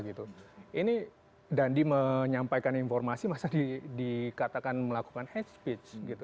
ini dandi menyampaikan informasi masa dikatakan melakukan hate speech